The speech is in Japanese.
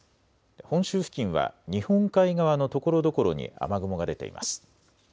本州付近は日本海側のところどころに雨雲が出ています。